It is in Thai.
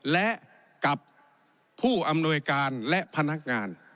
และกับผู้อำนวยการและพนักงาน